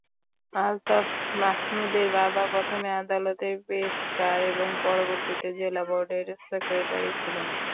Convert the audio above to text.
আলতাফ মাহমুদের বাবা প্রথমে আদালতের পেশকার এবং পরবর্তীতে জেলা বোর্ডের সেক্রেটারি ছিলেন।